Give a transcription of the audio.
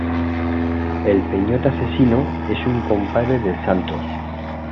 El "Peyote Asesino" es un compadre del Santos.